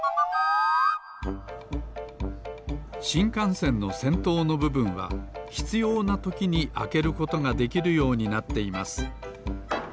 しんかんせんのせんとうのぶぶんはひつようなときにあけることができるようになっています